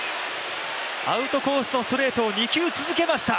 アウトコースのストレートを２球続けました。